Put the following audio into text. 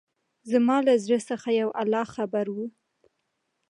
زما له زړه څخه يو الله خبر وو.